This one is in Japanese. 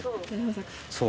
そう。